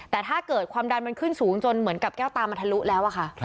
แต่ถ้าเกิดความดันมันขึ้นสูงจนเหมือนกับแก้วตามันทะลุแล้วอะค่ะ